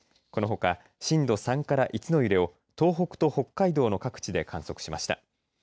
このほか震度３から１の揺れを東北と北海道の各地で観測しました。